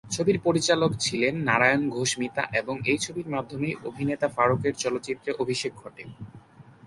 ছবির পরিচালক ছিলেন নারায়ণ ঘোষ মিতা এবং এই ছবির মাধ্যমেই অভিনেতা ফারুকের চলচ্চিত্রে অভিষেক ঘটে।